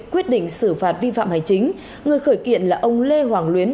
quyết định xử phạt vi phạm hành chính người khởi kiện là ông lê hoàng luyến